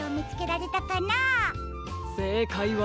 せいかいは。